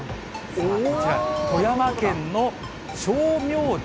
さあ、こちら、富山県の称名滝。